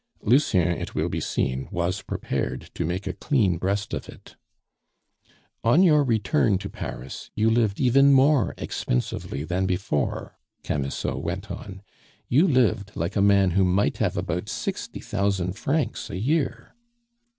Lucien, it will be seen, was prepared to make a clean breast of it. "On your return to Paris you lived even more expensively than before," Camusot went on. "You lived like a man who might have about sixty thousand francs a year."